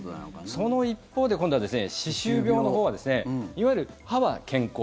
その一方で歯周病のほうはいわゆる、歯は健康